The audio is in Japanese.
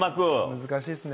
難しいですね。